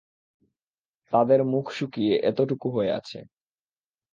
তাদের মুখ শুকিয়ে এতটুকু হয়ে আছে।